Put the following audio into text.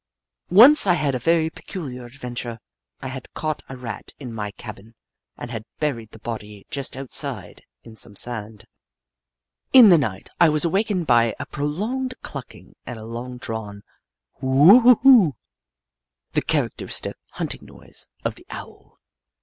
Once I had a very peculiar adventure. I had caught a Rat in my cabin and had buried the body just outside, in some sand. In the night I was awakened by a prolonged clucking and a long drawn whoo oo oo, the characteristic huntinor note of the Owl.